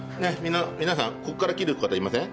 皆さんここから切る方いません？